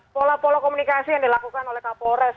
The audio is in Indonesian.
pola pola komunikasi yang dilakukan oleh kapolres